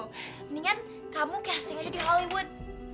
mendingan kamu casting aja di hollywood